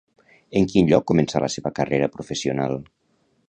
En quin lloc començà la seva carrera professional?